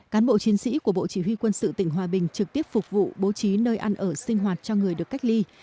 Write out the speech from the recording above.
cán bộ chiến sĩ của bộ chỉ huy quân sự tỉnh hòa bình trực tiếp phục vụ bố trí nơi ăn ở sinh hoạt cho người được cách ly